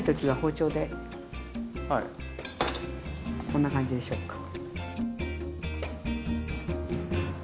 こんな感じでしょうか？